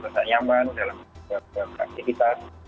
terasa nyaman dalam aktivitas